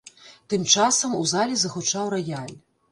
Тым часам у зале загучаў раяль.